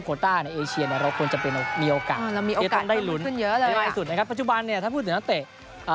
ปัจจุบันเนี่ยถ้าพูดถึงนักเตะ